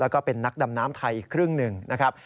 แล้วก็เป็นนักดำน้ำไทยอีกครึ่งหนึ่งนะครับ